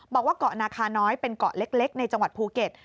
บอกว่าเกาะนาคาน้อยเป็นเกาะเล็กในจังหวัดภูเก็ต